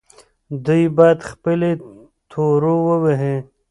دوی باید خپلې تورو ووهي.